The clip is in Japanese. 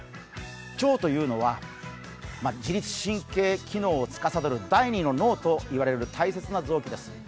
腸というのは自律神経機能をつかさどる第２の脳といわれる大切な臓器です。